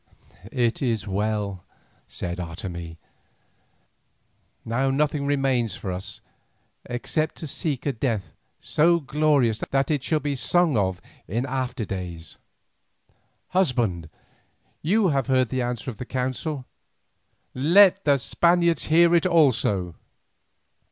"It is well," said Otomie; "now nothing remains for us except to seek a death so glorious that it shall be sung of in after days. Husband, you have heard the answer of the council. Let the Spaniards hear it also."